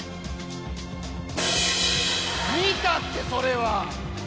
見たってそれは！